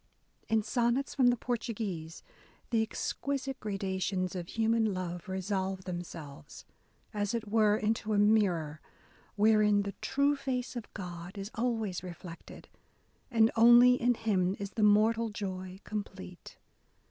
In Sonnets from the Portuguese the exquisite gradations of human love resolve themselves, as it were, into a mirror wherein *' the true face of God" is always reflected ; and only in Him is the mortal joy complete.